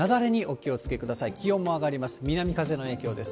気温も上がります。